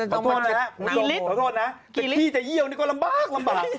ขอโทษนะนะขอโทษนะแต่พี่จะเยี่ยวนี่ก็ลำบาก